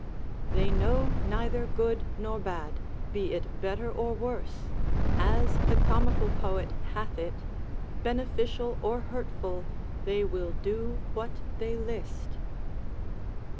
They know neither good nor bad, be it better or worse (as the comical poet hath it), beneficial or hurtful, they will do what they list.